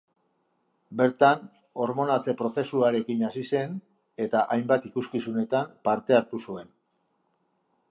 Bertan hormonatze-prozesuarekin hasi zen eta hainbat ikuskizunetan parte hartu zuen.